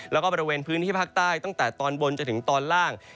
แล้วก็บริเวณพื้นที่ภาคใต้ตั้งแต่ตอนบนจนถึงตอนล่าง